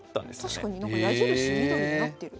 確かに矢印緑になってる。